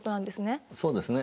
そうですね。